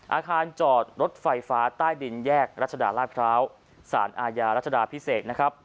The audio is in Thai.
อาคารจอดรถไฟฟ้าใต้ดินแยกรัชดาราชพร้าวสารอาญารัชดาพิเศษนะครับ